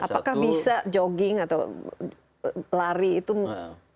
apakah bisa jogging atau lari itu